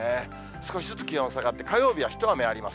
少しずつ気温下がって、火曜日は一雨あります。